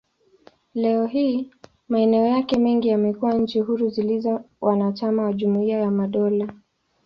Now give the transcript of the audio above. Leo hii, maeneo yake mengi yamekuwa nchi huru zilizo wanachama wa Jumuiya ya Madola.